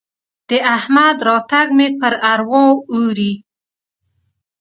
د احمد راتګ مې پر اروا اوري.